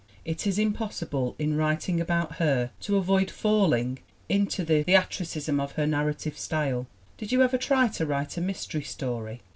( It is impossible in writing about her to avoid falling into the theatricism of her narrative style!) Did you ever try to write a mystery story?